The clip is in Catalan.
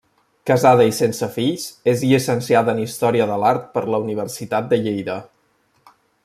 Casada i sense fills, és llicenciada en Història de l'Art per la Universitat de Lleida.